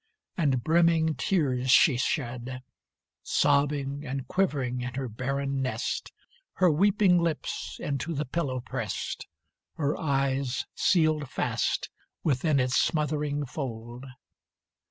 And brimming tears she shed, Sobbing and quivering in her barren nest, Her weeping lips into the pillow prest, Her eyes sealed fast within its smothering fold.